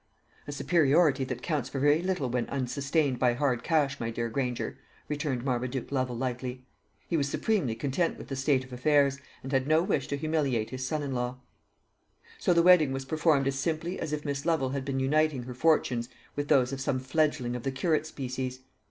"A superiority that counts for very little when unsustained by hard cash, my dear Granger," returned Marmaduke Lovel lightly. He was supremely content with the state of affairs, and had no wish to humiliate his son in law. So the wedding was performed as simply as if Miss Lovel had been uniting her fortunes with those of some fledgling of the curate species.